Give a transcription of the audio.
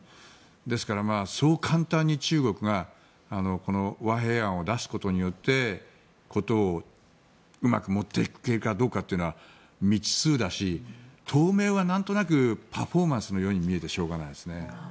ですから、そう簡単に中国が和平案を出すことによって事をうまく持っていけるかどうかというのは未知数だし、当面はなんとなくパフォーマンスのように見えてしょうがないですね。